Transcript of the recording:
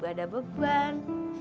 kan ada beban